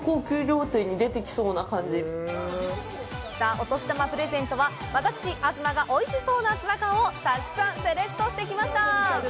お年玉プレゼントは私、東がおいしそうなツナ缶をたくさんセレクトしてきました！